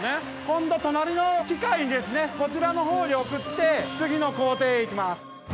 今度隣の機械ですねこちらのほうに送って次の工程行きます。